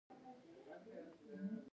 د افغانانو هغو اوږدو مبارزو ته درناوی شوی.